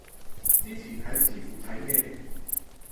之前喺知乎睇嘅